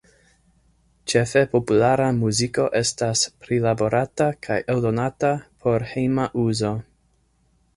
Ĉefe populara muziko estas prilaborata kaj eldonata por hejma uzo.